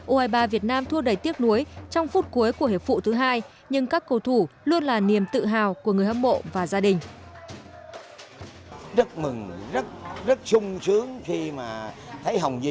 u hai mươi ba việt nam thua đầy tiếc nuối trong phút cuối của hiệp phụ thứ hai nhưng các cầu thủ luôn là niềm tự hào của người hâm mộ và gia đình